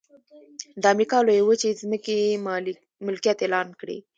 د امریکا لویې وچې ځمکې یې ملکیت اعلان کړې.